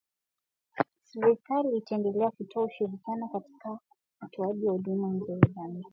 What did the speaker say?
Serikali itaendelea kutoa ushirikiano katika utoaji huduma hizo za jamii